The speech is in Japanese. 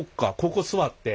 ここ座って。